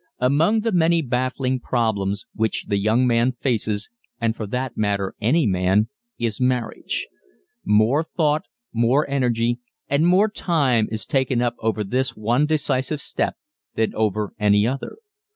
Among the many baffling problems which the young man faces, and for that matter, any man, is marriage. More thought, more energy and more time is taken up over this one decisive step than over any other.